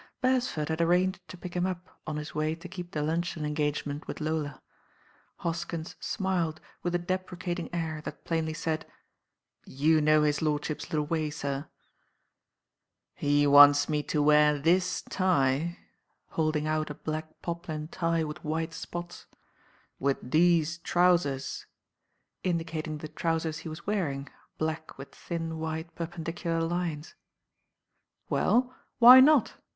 Beresford had arranged to pick him up on his way to keep the luncheon engagement with Lola. Hoskins smiled with a deprecating air that plainly said, "You know his lordship's little way, sir!" "He wants me to wear this tie," holding out a black poplin tie with white spots, "with these trousers," indicating the trousers he was wearing, black with thin white perpendicular lines. "Well, why not?"